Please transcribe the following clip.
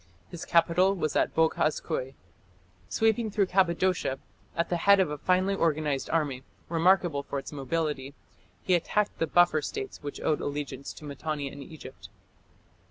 His capital was at Boghaz Köi. Sweeping through Cappadocia, at the head of a finely organized army, remarkable for its mobility, he attacked the buffer states which owed allegiance to Mitanni and Egypt.